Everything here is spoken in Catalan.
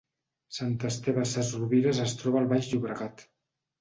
Sant Esteve Sesrovires es troba al Baix Llobregat